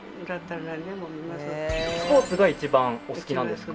スポーツが一番お好きなんですか。